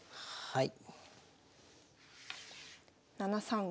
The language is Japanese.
はい。